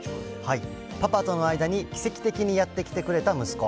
パパとの間に奇跡的にやって来てくれた息子。